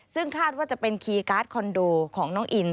ซึ่งคาดว่าจะเป็นคีย์การ์ดคอนโดของน้องอิน